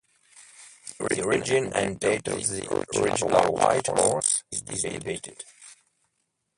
The origin and date of the original White Horse is debated.